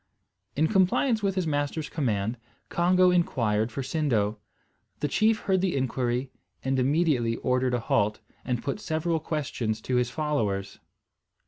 In compliance with his master's command, Congo inquired for Sindo. The chief heard the inquiry and immediately ordered a halt, and put several questions to his followers.